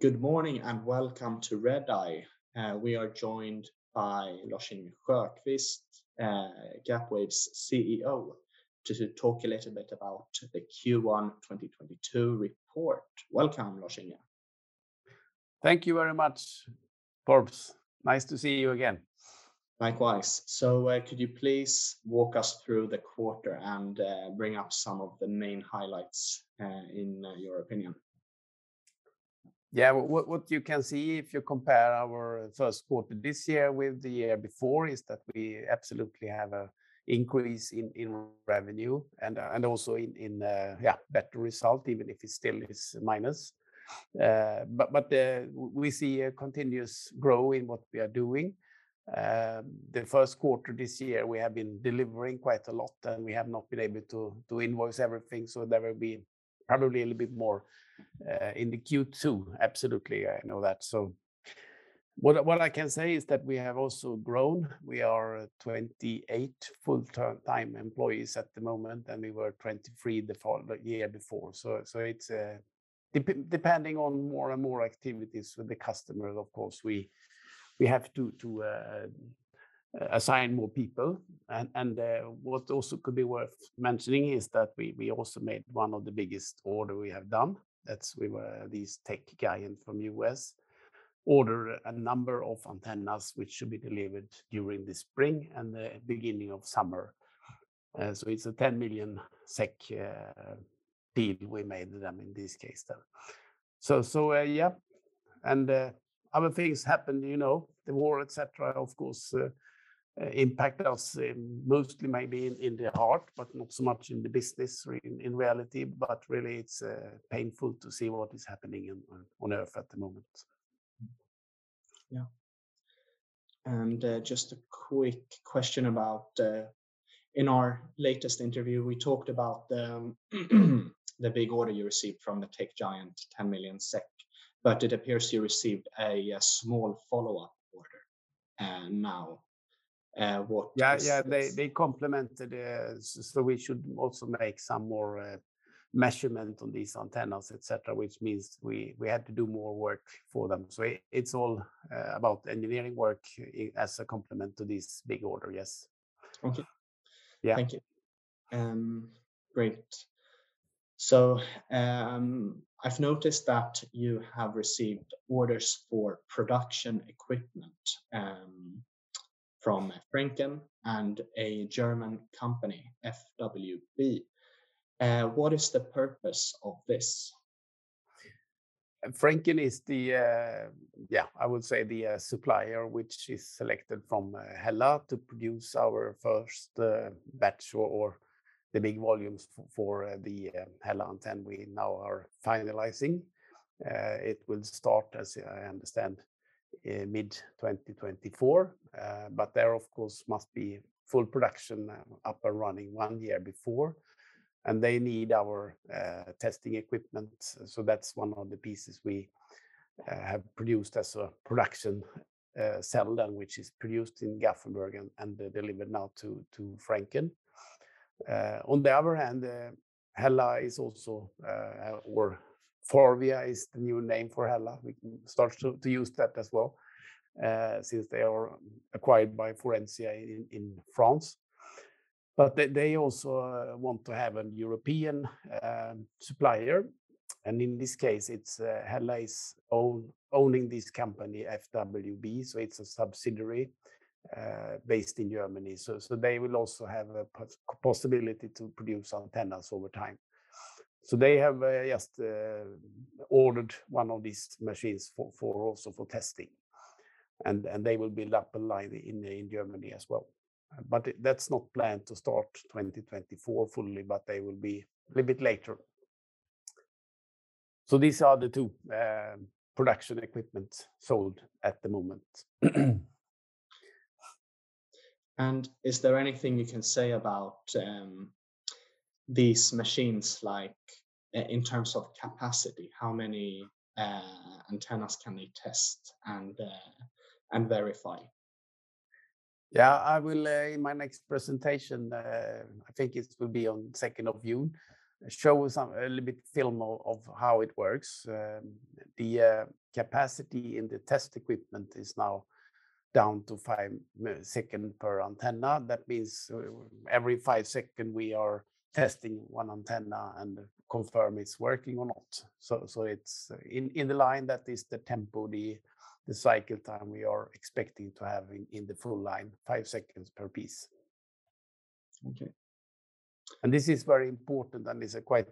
Good morning, and welcome to Redeye. We are joined by Lars-Inge Sjöqvist, Gapwaves's CEO, to talk a little bit about the Q1 2022 report. Welcome, Lars-Inge. Thank you very much, Torbjörn. Nice to see you again. Likewise. Could you please walk us through the quarter and bring up some of the main highlights in your opinion? Yeah. What you can see if you compare our first quarter this year with the year before is that we absolutely have an increase in revenue and also in better result, even if it still is minus. But we see a continuous growth in what we are doing. The first quarter this year, we have been delivering quite a lot, and we have not been able to invoice everything, so there will be probably a little bit more in the Q2. Absolutely, I know that. What I can say is that we have also grown. We are 28 full-time employees at the moment, and we were 23 the year before. It's depending on more and more activities with the customer, of course, we have to assign more people. What also could be worth mentioning is that we also made one of the biggest orders we have done. That's where this tech giant from the U.S. ordered a number of antennas which should be delivered during the spring and the beginning of summer. It's a 10 million SEK deal we made with them in this case then. Other things happened, you know, the war, et cetera, of course, impacted us, mostly maybe in the heart but not so much in the business or in reality. Really it's painful to see what is happening on earth at the moment. Yeah. Just a quick question about in our latest interview, we talked about the big order you received from the tech giant, 10 million SEK, but it appears you received a small follow-up order now. What is this? Yeah, yeah. They complemented, so we should also make some more measurement on these antennas, et cetera, which means we had to do more work for them. It's all about engineering work as a complement to this big order, yes. Okay. Yeah. Thank you. Great. I've noticed that you have received orders for production equipment, from Franken Guss and a German company, FWB. What is the purpose of this? Franken is the supplier which is selected from HELLA to produce our first batch or the big volumes for the HELLA antenna we now are finalizing. It will start, as I understand, in mid-2024. There must be full production up and running one year before, and they need our testing equipment. That's one of the pieces we have produced as a production cell then which is produced in Gävleborg and delivered now to Franken. On the other hand, HELLA is also or FORVIA is the new name for HELLA. We can start to use that as well since they are acquired by Faurecia in France. They also want to have an European supplier, and in this case, it's HELLA owning this company, FWB, so it's a subsidiary based in Germany. They will also have a possibility to produce antennas over time. They have ordered one of these machines for also for testing and they will build up a line in Germany as well. That's not planned to start 2024 fully, but they will be a little bit later. These are the two production equipment sold at the moment. Is there anything you can say about these machines, like, in terms of capacity? How many antennas can they test and verify? Yeah. I will, in my next presentation, I think it will be on 2nd of June, show some a little bit film of how it works. The capacity in the test equipment is now down to five second per antenna. That means every five second we are testing one antenna and confirm it's working or not. It's in the line, that is the tempo, the cycle time we are expecting to have in the full line, five seconds per piece. Okay. This is very important, and it's a quite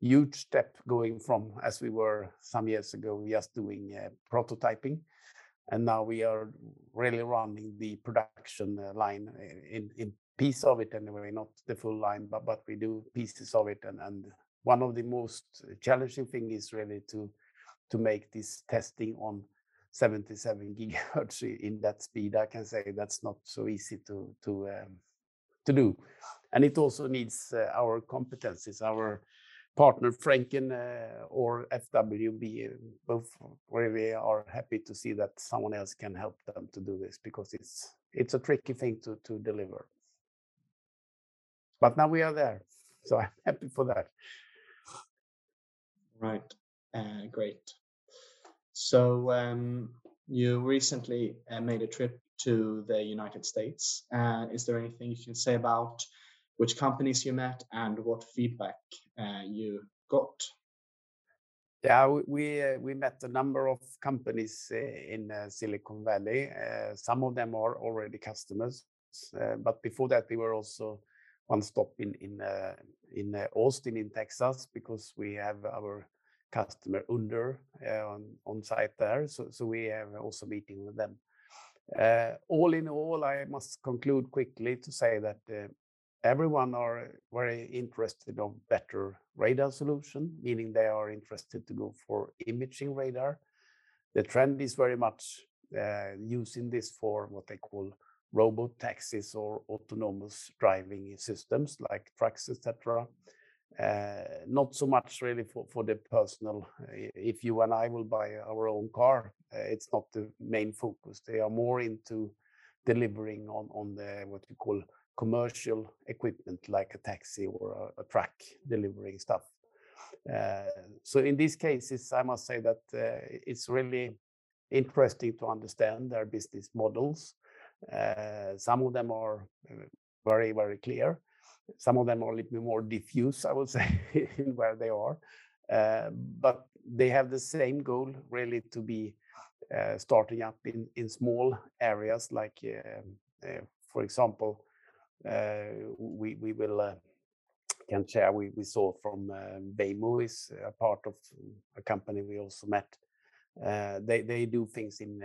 huge step going from as we were some years ago, we just doing prototyping, and now we are really running the production line in piece of it anyway, not the full line, but we do pieces of it. One of the most challenging thing is really to make this testing on 77 GHz in that speed. I can say that's not so easy to do. It also needs our competencies. Our partner, Franken, or FWB, both really are happy to see that someone else can help them to do this because it's a tricky thing to deliver. Now we are there, so I'm happy for that. Right. Great. You recently made a trip to the United States. Is there anything you can say about which companies you met and what feedback you got? Yeah. We met a number of companies in Silicon Valley. Some of them are already customers. Before that they were also one stop in Austin, Texas because we have our customer on site there. We have also meeting with them. All in all, I must conclude quickly to say that everyone are very interested on better radar solution, meaning they are interested to go for imaging radar. The trend is very much used in this for what they call Robotaxis or autonomous driving systems like trucks, et cetera. Not so much really for the personal. If you and I will buy our own car, it's not the main focus. They are more into delivering on what you call commercial equipment like a taxi or a truck delivering stuff. In these cases, I must say that it's really interesting to understand their business models. Some of them are very, very clear. Some of them are a little bit more diffuse, I will say, in where they are. They have the same goal really to be starting up in small areas like, for example, we can share, we saw from Waymo is a part of a company we also met. They do things in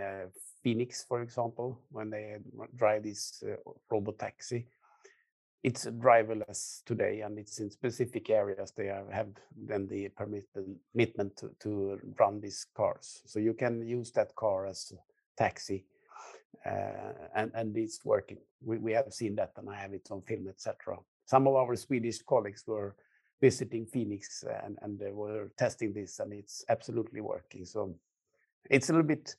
Phoenix, for example, when they drive this robotaxi. It's driverless today, and it's in specific areas they have the permission to run these cars. You can use that car as taxi. It's working. We have seen that, and I have it on film, et cetera. Some of our Swedish colleagues were visiting Phoenix and they were testing this, and it's absolutely working. It's a little bit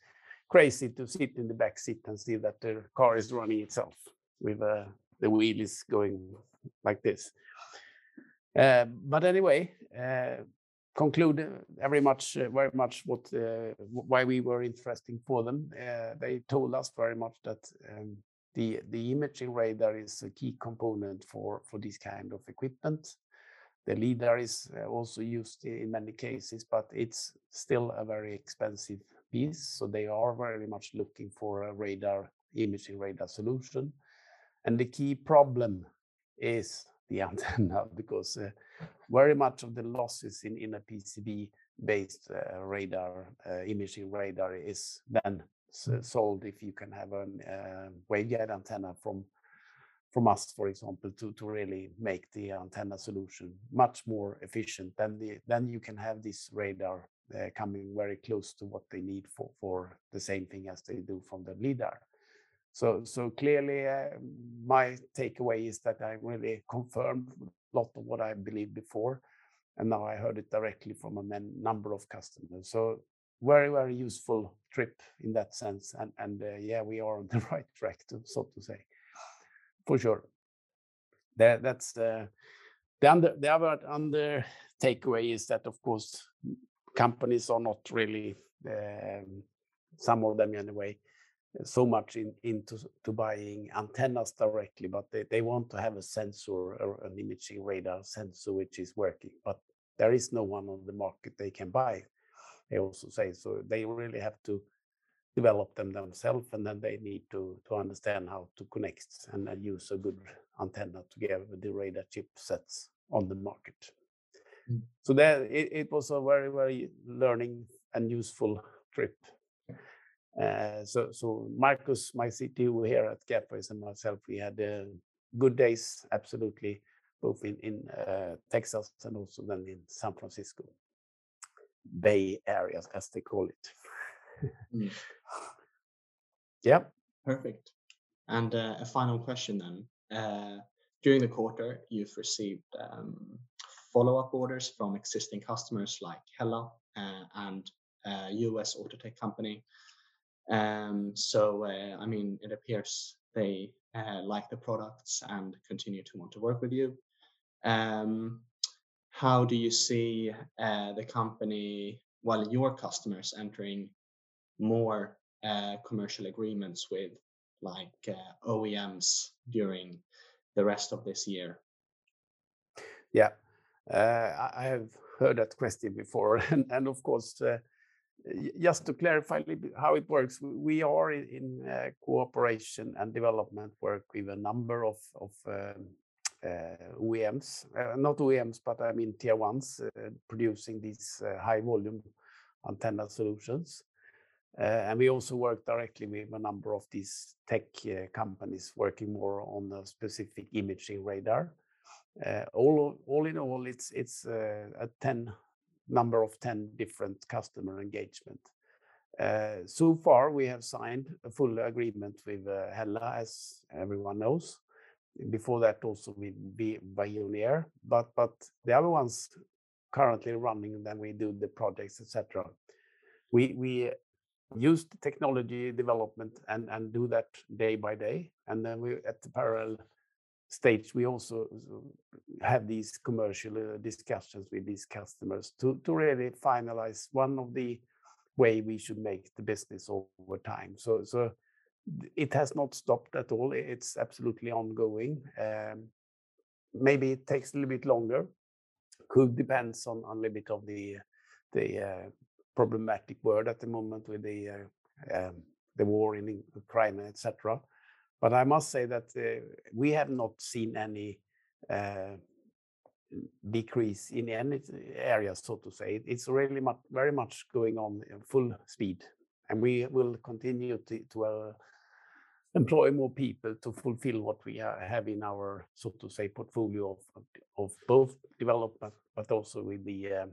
crazy to sit in the back seat and see that the car is running itself with the wheel is going like this. Anyway, conclude very much why we were interesting for them. They told us very much that the imaging radar is a key component for this kind of equipment. The lidar is also used in many cases, but it's still a very expensive piece, so they are very much looking for a radar, imaging radar solution. The key problem is the antenna because very much of the losses in a PCB-based imaging radar is then solved if you can have a waveguide antenna from us, for example, to really make the antenna solution much more efficient. You can have this radar coming very close to what they need for the same thing as they do from the leader. Clearly, my takeaway is that I really confirmed a lot of what I believed before, and now I heard it directly from a number of customers. Very, very useful trip in that sense, and yeah, we are on the right track, so to speak. For sure. That's the... The other takeaway is that, of course, companies are not really, some of them anyway, so much into buying antennas directly, but they want to have a sensor or an imaging radar sensor which is working. There is no one on the market they can buy, they also say, so they really have to develop them themselves, and then they need to understand how to connect and use a good antenna together with the radar chipsets on the market. It was a very, very learning and useful trip. Marcus, my CTO here at Gapwaves and myself, we had good days, absolutely, both in Texas and also then in San Francisco Bay Area, as they call it. Yes. Yeah. Perfect. A final question then. During the quarter, you've received follow-up orders from existing customers like HELLA and a U.S. auto tech company. I mean, it appears they like the products and continue to want to work with you. How do you see the company while your customers entering more commercial agreements with like OEMs during the rest of this year? Yeah. I have heard that question before and of course, just to clarify how it works, we are in cooperation and development work with a number of OEMs. Not OEMs, but I mean Tier 1s producing these high volume antenna solutions. We also work directly with a number of these tech companies working more on the specific imaging radar. All in all, it's a number of 10 different customer engagement. So far, we have signed a full agreement with HELLA, as everyone knows. Before that also with Veoneer. The other ones currently running, then we do the projects, et cetera. We use the technology development and do that day by day, and then, in parallel, we also have these commercial discussions with these customers to really finalize one of the ways we should make the business over time. It has not stopped at all. It's absolutely ongoing. Maybe it takes a little bit longer. It could depend on a little bit of the problematic world at the moment with the war in Ukraine, et cetera. I must say that we have not seen any decrease in any areas, so to say. It's really very much going on in full speed, and we will continue to employ more people to fulfill what we have in our, so to say, portfolio of both development, but also with the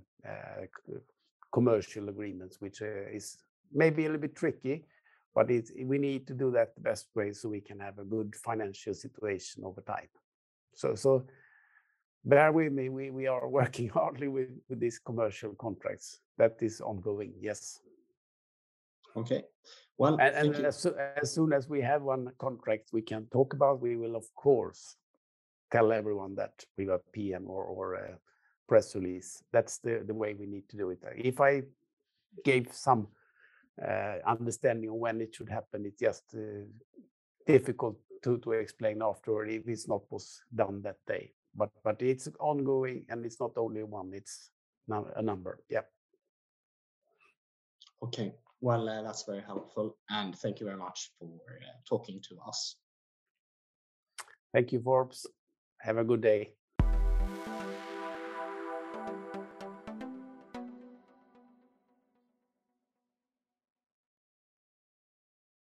commercial agreements, which is maybe a little bit tricky, but it's. We need to do that the best way so we can have a good financial situation over time. Bear with me. We are working hard with these commercial contracts. That is ongoing, yes. Okay. Well, thank you. As soon as we have one contract we can talk about, we will of course tell everyone that with a PM or a press release. That's the way we need to do it. If I gave some understanding of when it should happen, it's just difficult to explain afterward if it's not was done that day, but it's ongoing, and it's not only one. It's a number. Yep. Okay. Well, that's very helpful, and thank you very much for talking to us. Thank you, Torbjörn. Have a good day.